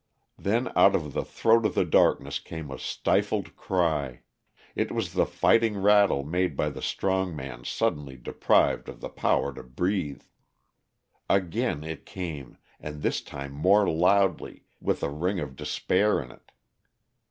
Then out of the throat of the darkness came a stifled cry. It was the fighting rattle made by the strong man suddenly deprived of the power to breathe. Again it came, and this time more loudly, with a ring of despair in it.